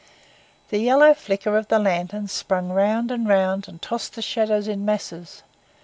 The yellow flicker of the lantern spun round and round and tossed the shadows in masses.